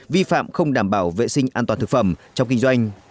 vi phạm không đảm bảo vệ sinh an toàn thực phẩm trong kinh doanh